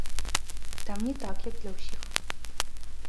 Там не так, як для ўсіх.